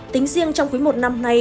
tính riêng trong cuối một năm nay